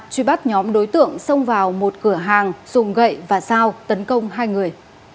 truy bắt nhóm đối tượng xông vào một cửa hàng dùng gậy và dao tấn công hai người